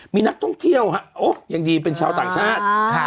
มีนักท่องเที่ยวฮะโอ้ยังดีเป็นชาวต่างชาติ